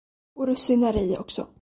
Och russin är det i också.